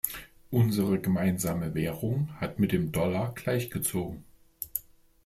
Unsere gemeinsame Währung hat mit dem Dollar gleichgezogen.